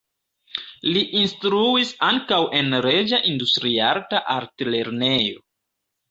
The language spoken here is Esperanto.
Li instruis ankaŭ en Reĝa Industriarta Altlernejo.